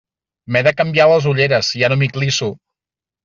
M'he de canviar les ulleres, ja no m'hi clisso.